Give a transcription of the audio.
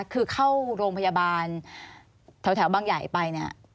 คือเข้าโรงพยาบาลแถวบางใหญ่ไปเนี่ย